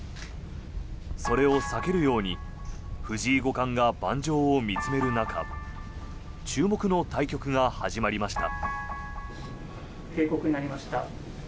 それを避けるように藤井五冠が盤上を見つめる中注目の対局が始まりました。